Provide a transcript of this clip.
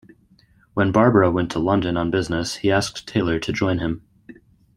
When Barbera went to London on business he asked Taylor to join him.